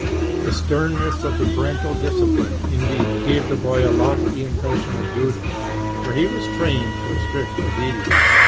The sternness of the parental discipline, indeed, gave the boy a lofty impression of duty, for he was trained to a strict obedience.